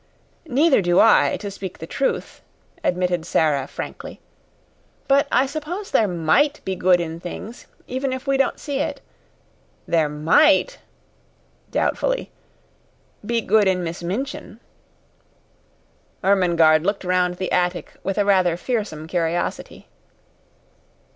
"Neither do I to speak the truth," admitted Sara, frankly. "But I suppose there MIGHT be good in things, even if we don't see it. There MIGHT" doubtfully "be good in Miss Minchin." Ermengarde looked round the attic with a rather fearsome curiosity.